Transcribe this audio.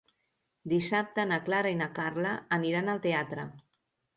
Dissabte na Clara i na Carla aniran al teatre.